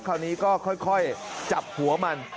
คราวนี้ก็ค่อยจับหัวมัน